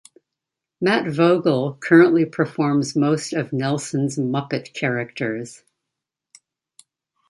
Matt Vogel currently performs most of Nelson's Muppet characters.